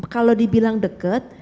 kalau dibilang dekat